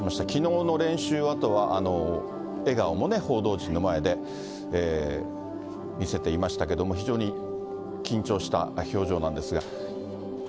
きのうの練習あとは、笑顔も報道陣の前で見せていましたけれども、非常に緊張した表情なんですが。